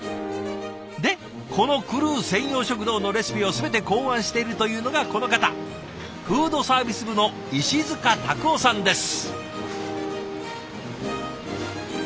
でこのクルー専用食堂のレシピを全て考案しているというのがこの方フードサービス部の石束拓夫さんです。